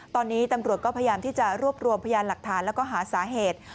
ตอนนี้ตำรวจก็พยายามที่จะรวบรวมพยานหลักฐานแล้วก็หาสาเหตุ